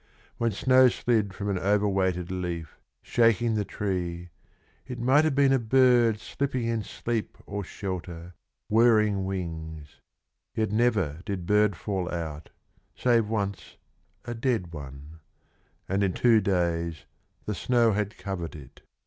When snow slid from an overweighted leaf, Shaking the tree, it might have been a bird Slipping in sleep or shelter, whirring wings; Yet never did bird fall out, save once a dead one And in two days the snow had covered it.